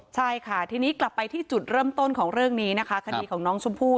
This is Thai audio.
ใช่ค่ะทีนี้กลับไปที่จุดเริ่มต้นของเรื่องนี้นะคะคดีของน้องชมพู่